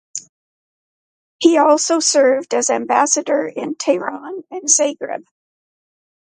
He also served as ambassador in Tehran and Zagreb.